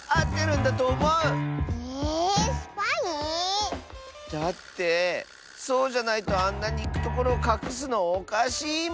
ええっスパイ⁉だってそうじゃないとあんなにいくところをかくすのおかしいもん！